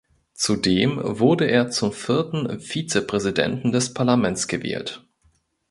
Zudem wurde er zum vierten Vizepräsidenten des Parlaments gewählt.